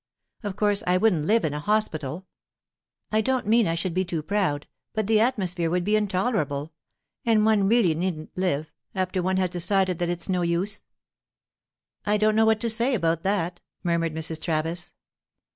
Of course I wouldn't live in a hospital. I don't mean I should be too proud, but the atmosphere would be intolerable. And one really needn't live, after one has decided that it's no use." "I don't know what to say about that," murmured Mrs. Travis.